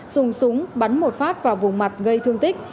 dùng súng bắn một phát vào vùng mặt gây thương tích